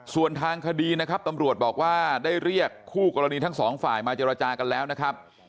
ส่วนทางคดีนะครับตำรวจบอกว่าได้เรียกคู่กรณีทั้งสองฝ่ายมาเจรจากันแล้วนะครับ